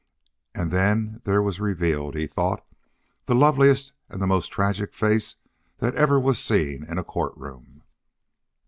And then there was revealed, he thought, the loveliest and the most tragic face that ever was seen in a court room.